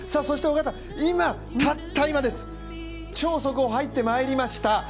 そして小川さん、たった今超速報入ってまいりました。